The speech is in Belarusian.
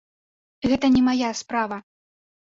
Гэта не мая справа!